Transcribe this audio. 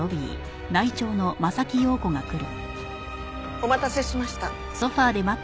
お待たせしました。